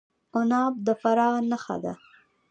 عناب د فراه نښه ده.